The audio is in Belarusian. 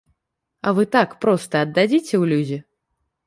А вы так проста аддадзіце ў людзі?